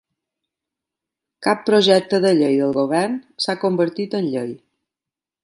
Cap projecte de llei del Govern s'ha convertit en llei.